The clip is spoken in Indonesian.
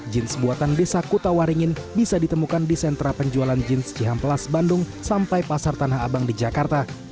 jeans buatan desa kutawaringin bisa ditemukan di sentra penjualan jeans cihamplas bandung sampai pasar tanah abang di jakarta